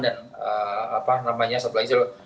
dan apa namanya satu lagi